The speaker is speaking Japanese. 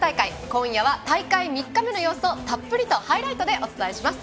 今夜は、大会３日目の様子をたっぷりとハイライトでお伝えします。